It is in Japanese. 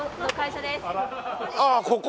ああここ。